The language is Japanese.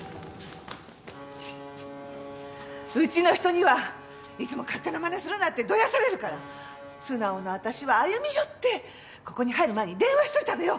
うちの人にはいつも勝手なまねするなってどやされるから素直な私は歩み寄ってここに入る前に電話しておいたのよ！